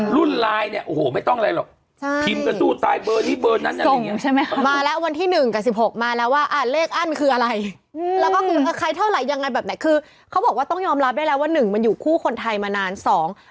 รุ่นรายเนี่ยโอ้โหไม่ต้องอะไรหรอก